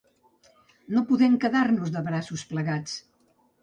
No podem quedar-nos de braços plegats.